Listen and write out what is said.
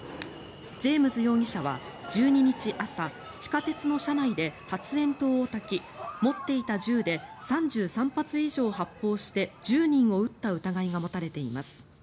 ジェームズ容疑者は１２日朝地下鉄の車内で発煙筒をたき持っていた銃で３３発以上発砲して１０人を撃った疑いが持たれています。